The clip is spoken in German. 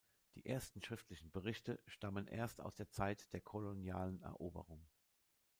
Die ersten schriftlichen Berichte stammen erst aus der Zeit der kolonialen Eroberung.